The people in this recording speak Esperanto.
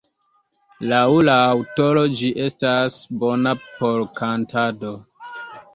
Laŭ la aŭtoro, ĝi estas bona por kantado.